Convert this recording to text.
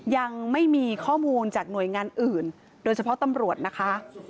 ยังไม่มีข้อมูลจากหน่วยงานอื่นโดยเฉพาะตำรวจนะคะ